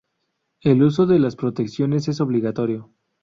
El uso de las protecciones es obligatorio.